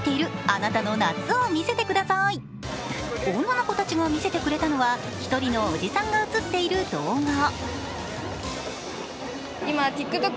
女の子たちが見せてくれたのは１人のおじさんが映っている動画。